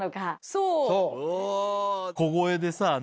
そう。